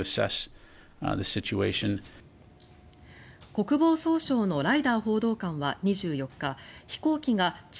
国防総省のライダー報道官は２４日飛行機が地